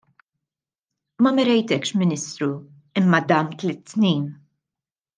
Ma merejtekx Ministru, imma dam tliet snin.